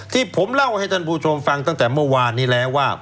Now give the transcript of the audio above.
ที่ผมเล่าให้ท่านผู้ชมฟังตั้งแต่เมื่อวานนี้แล้วว่า